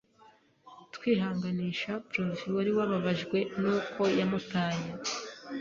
twihanganisha Provy wari wababajwe nuko yamutaye